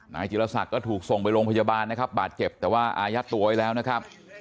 จิลศักดิ์ก็ถูกส่งไปโรงพยาบาลนะครับบาดเจ็บแต่ว่าอายัดตัวไว้แล้วนะครับ